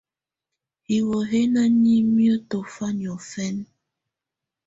Hiwǝ́ hi ná nimǝ́ tɔ̀fá niɔ̀fɛná.